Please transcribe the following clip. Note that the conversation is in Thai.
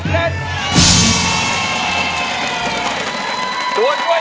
เพลงที่สี่